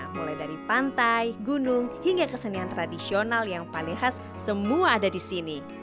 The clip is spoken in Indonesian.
mulai dari pantai gunung hingga kesenian tradisional yang paling khas semua ada di sini